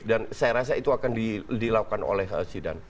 dan saya rasa itu akan dilakukan oleh zidane